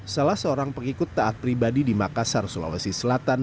salah seorang pengikut taat pribadi di makassar sulawesi selatan